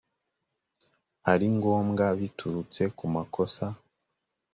ari ngombwa biturutse ku makosa